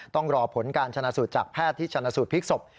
ต้องรอผลการชนะสูตรจากแพทย์ที่ชนะสูตรพลิกศพ